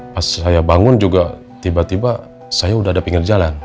pas saya bangun juga tiba tiba saya udah ada pinggir jalan